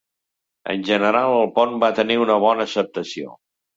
En general el pont va tenir una bona acceptació.